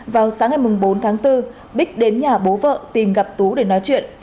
vào sáng ngày bốn tháng bốn bích đến nhà bố vợ tìm gặp tú để nói chuyện